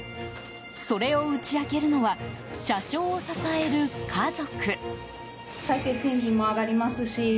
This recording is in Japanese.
それを打ち明けるのは社長を支える家族。